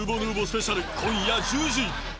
スペシャル、今夜１０時。